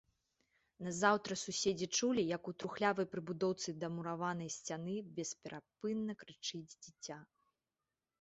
Назаўтра суседзі чулі, як у трухлявай прыбудоўцы да мураванай сцяны бесперапынна крычыць дзіця.